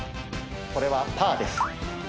これはパーです。